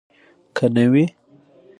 که نه وي.